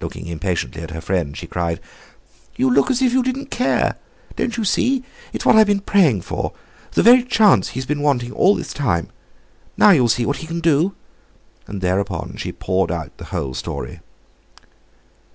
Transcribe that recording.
Looking impatiently at her friend, she cried: "You look as if you didn't care. Don't you see, it's what I've been praying for—the very chance he's been wanting all this time. Now you'll see what he can do;" and thereupon she poured out the whole story.